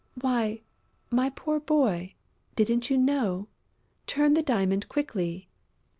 "Why, my poor boy, didn't you know? Turn the diamond quickly!"